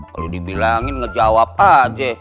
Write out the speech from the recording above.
kalo dibilangin ngejawab aja